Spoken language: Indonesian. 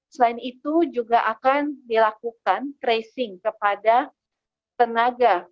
selain itu juga akan dilakukan tracing kepada tenaga